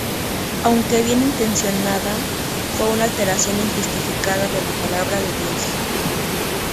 Aunque bien intencionada, fue una alteración injustificada de la Palabra de Dios.